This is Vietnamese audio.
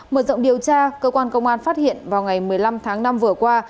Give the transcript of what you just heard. mở rộng điều tra cơ quan công an phát hiện vào ngày một mươi năm tháng năm vừa qua